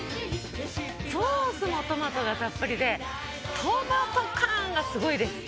ソースもトマトがたっぷりでトマト感がすごいです。